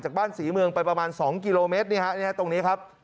บ้านศรีเมืองไปประมาณ๒กิโลเมตรตรงนี้ครับ